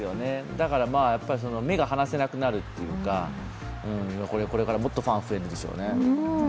だから、目が離せなくなるというかこれからもっとファンが増えるでしょうね。